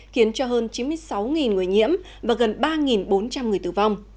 khiến cho hơn chín mươi sáu người nhiễm và gần ba bốn trăm linh người tử vong